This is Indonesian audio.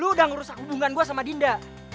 lu udah ngerusak hubungan gue sama dinda